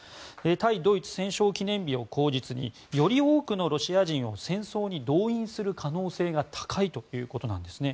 対ドイツ戦勝記念日を口実により多くのロシア人を戦争に動員する可能性が高いということなんです。